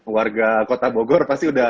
warga kota bogor pasti udah